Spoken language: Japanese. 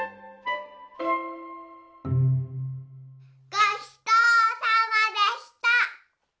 ごちそうさまでした！